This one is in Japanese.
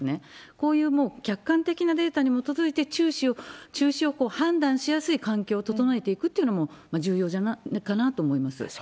こういうもう、客観的なデータに基づいて、中止を判断しやすい環境を整えていくというのも重要じゃないかなと思います。